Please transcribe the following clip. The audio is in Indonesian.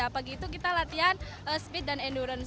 pagi itu kita latihan speed dan endurance